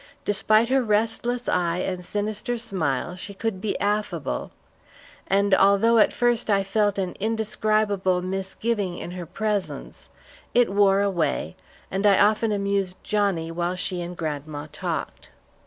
Despite her restless eye and sinister smile, she could be affable; and although, at first, I felt an indescribable misgiving in her presence, it wore away, and I often amused Johnnie while she and grandma talked.